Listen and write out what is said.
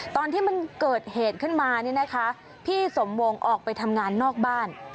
ตอนที่มันเกิดเหตุขึ้นมาเนี่ยนะคะพี่สมวงออกไปทำงานนอกบ้าน